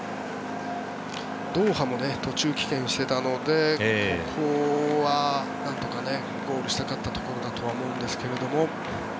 ドーハも途中棄権してたのでここはなんとかゴールしたかったところだと思うんですが。